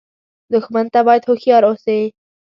دښمن ته باید هوښیار اوسې